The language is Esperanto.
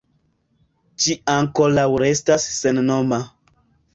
Ĝi ankoraŭ restas sennoma.